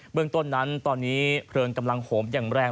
เบื้องตนตอนนี้เพลิงกำลังห่มยังแรง